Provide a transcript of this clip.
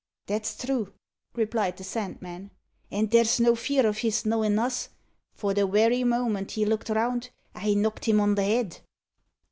"That's true," replied the Sandman; "and there's no fear of his knowin' us, for the werry moment he looked round I knocked him on the head."